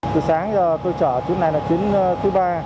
từ sáng giờ tôi chở chuyến này là chuyến thứ ba